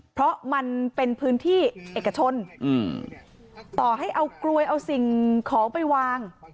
เพราะมันเป็นพื้นที่เอกชนต่อให้เอากลวยเอาสิ่งของไปวาง